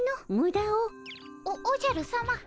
おおじゃるさま。